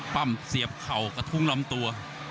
ปั้มเสียบเข่ากระทุ้งลำตัว